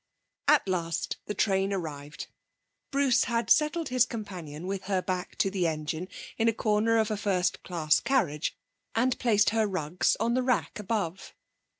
At last the train arrived. Bruce had settled his companion with her back to the engine in a corner of a first class carriage, and placed her rugs in the rack above.